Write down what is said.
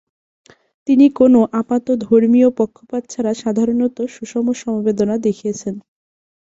তিনি কোনো আপাত ধর্মীয় পক্ষপাত ছাড়া সাধারণত সুষম সমবেদনা দেখিয়েছেন।